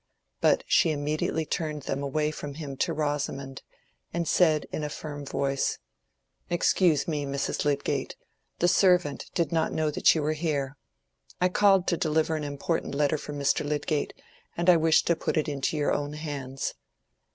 But she immediately turned them away from him to Rosamond and said in a firm voice— "Excuse me, Mrs. Lydgate, the servant did not know that you were here. I called to deliver an important letter for Mr. Lydgate, which I wished to put into your own hands."